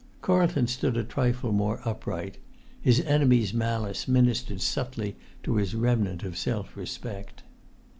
Carlton stood a trifle more upright: his enemy's malice ministered subtly to his remnant of self respect.